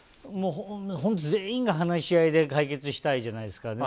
本当に全員が話し合いで解決したいじゃないですか。